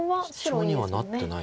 シチョウにはなってないです。